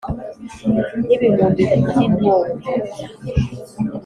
n’ibihumbi by’intumbi